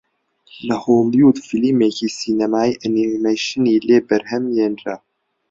لە هۆڵیوود فیلمێکی سینەمایی ئەنیمەیشنی لێ بەرهەم هێنرا